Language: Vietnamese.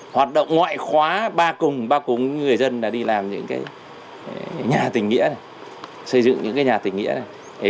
hoạt động ngoại khóa ba cùng người dân đi làm những nhà tình nghĩa này xây dựng những nhà tình nghĩa này